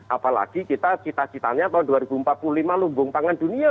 apalagi kita cita citanya tahun dua ribu empat puluh lima lumbung pangan dunia